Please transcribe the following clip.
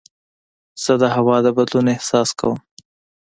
زه د هوا د بدلون احساس کوم.